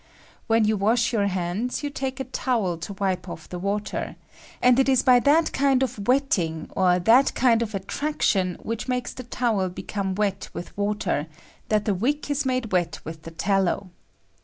When you wash your hands, you take a towel to wipe off the water ; and it is by that kind of wetting, or that kind of attraction which makes the towel become wet with water, that the wick ia made wet with the tallow.